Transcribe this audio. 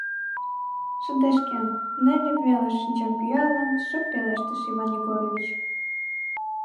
— Шыдешкен, — Нелли велыш шинчам пӱалын, шып пелештыш Иван Егорович.